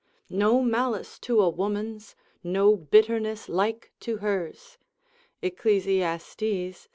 No malice to a woman's, no bitterness like to hers, Eccles.